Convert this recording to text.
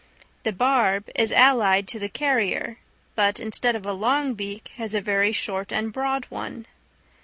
The barb is allied to the carrier, but, instead of a long beak, has a very short and broad one.